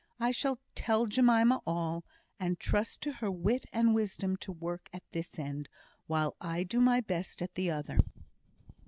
I shall tell Jemima all, and trust to her wit and wisdom to work at this end, while I do my best at the other."